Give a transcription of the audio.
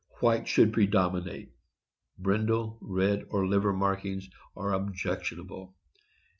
— White should predominate; brindle, red, or liver markings are objectionable.